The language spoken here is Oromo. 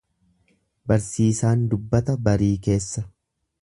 Barsiisaan dubbata barii keessa.